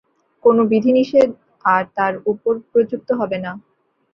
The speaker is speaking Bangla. কোন বিধিনিষেধ আর তার উপর প্রযুক্ত হবে না।